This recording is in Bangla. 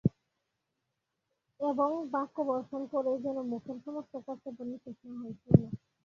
এবং বাক্যবর্ষণ করেই যেন মুখের সমস্ত কর্তব্য নিঃশেষ না হয়– পূর্ণ।